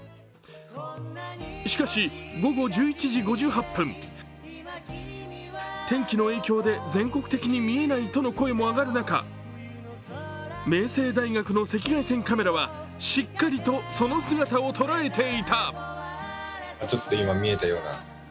しかし午後１１時５８分、天気の影響で全国的に見えないとの声も上がる中明星大学の赤外線カメラはしっかりとその姿を捉えていた。